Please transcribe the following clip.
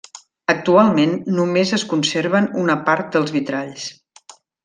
Actualment només es conserven una part dels vitralls.